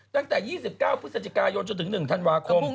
ตั้งแต่๒๙พฤศจิกายนจนถึง๑ธันวาคม